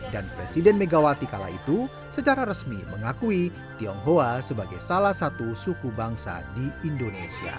dan presiden megawati kala itu secara resmi mengakui tionghoa sebagai salah satu suku bangsa di indonesia